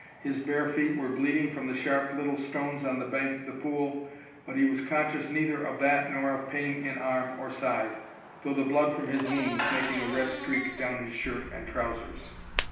His bare feet were bleeding from the sharp little stones on the bank of the pool, but he was conscious neither of that nor of pain in arm or side, though the blood from his wound was making a red streak down his shirt and trousers.